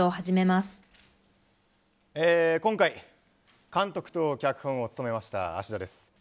今回、監督と脚本を務めましたアシダです。